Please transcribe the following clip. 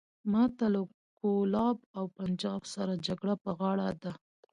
ماته له کولاب او پنجاب سره جګړه په غاړه ده.